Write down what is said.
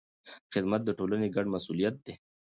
خدمت د ټولنې ګډ مسوولیت دی.